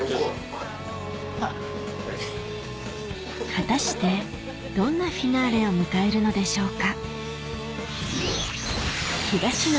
果たしてどんなフィナーレを迎えるのでしょうか？